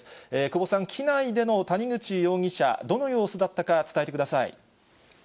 久保さん、機内での谷口容疑者、どんな様子だったか伝えてください。